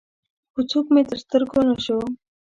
خو څوک مې تر سترګو نه شو.